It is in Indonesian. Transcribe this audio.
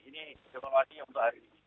ini evaluasi untuk hari ini